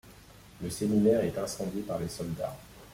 Le séminaire est incendié par les soldats.